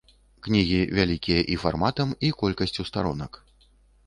Кнігі вялікія і фарматам, і колькасцю старонак.